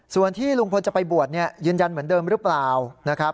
ส่วนที่ลุงพลจะไปบวชยืนยันเหมือนเดิมหรือเปล่านะครับ